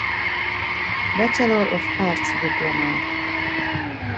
Bachelor of Arts diplomát.